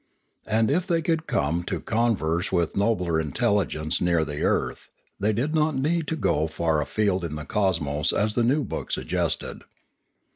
And if they could come to con verse with nobler intelligences near the earth, they did not need to go so far afield in the cosmos as the new book suggested.